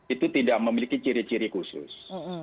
itu tidak memiliki ciri ciri khusus